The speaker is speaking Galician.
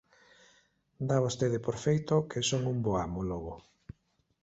Dá vostede por feito que son un bo amo, logo?